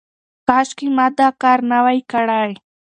کاشکې مې دا کار نه وای کړی.